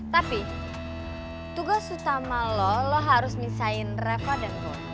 tapi tugas utama lo lo harus misahin rako dan lo